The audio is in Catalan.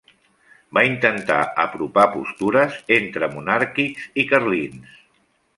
Va intentar apropar postures entre monàrquics i carlins.